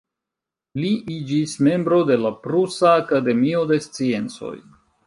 Li iĝis membro de la Prusa Akademio de Sciencoj.